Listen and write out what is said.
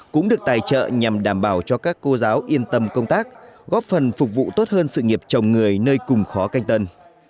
cũng được tài trợ nhằm đảm bảo cho các cô giáo yên tâm công tác góp phần phục vụ tốt hơn sự nghiệp chồng người nơi cùng khó canh tân